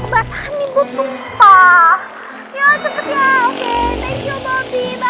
banyak tanya pokoknya yang penting sekarang bobi nyebut susan